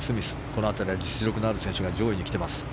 この辺りは実力ある選手が上位にきています。